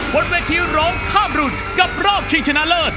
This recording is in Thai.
บนเวทีร้องข้ามรุ่นกับรอบชิงชนะเลิศ